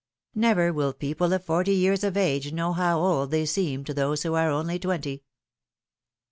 Never will people of forty years of age know how old they seem to those who are only twenty